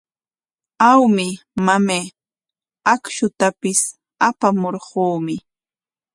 Awmi, mamay, akshutapis apamurquumi.